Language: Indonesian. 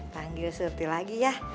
panggil surti lagi ya